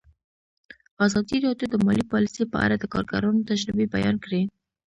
ازادي راډیو د مالي پالیسي په اړه د کارګرانو تجربې بیان کړي.